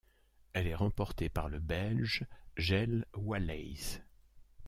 Elle est remportée par le Belge Jelle Wallays.